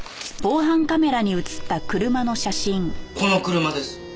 この車です。